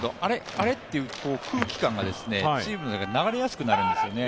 あれ？っていう空気感がチームの中で流れやすくなるんですね。